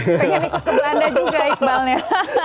pengen ikut ke belanda juga iqbalnya